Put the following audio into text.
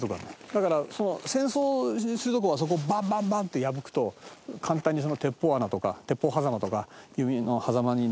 だから戦争するとこはそこバンバンバンって破くと簡単に鉄砲穴とか鉄砲狭間とか弓の狭間になるような仕掛けがしてあるんだよね